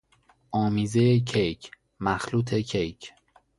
آمیزهی کیک، مخلوط کیک